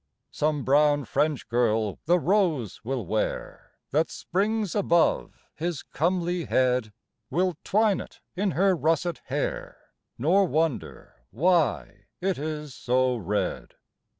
Some brown French girl the rose will wear That springs above his comely head ; Will twine it in her russet hair, Nor wonder why it is so red.